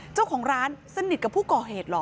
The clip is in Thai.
เจ้าของร้านสนิทกับผู้ก่อเหตุเหรอ